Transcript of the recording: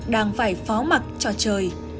đang phải phó mặt cho trời